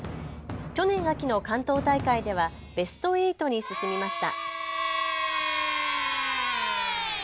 去年秋の関東大会ではベスト８に進みました。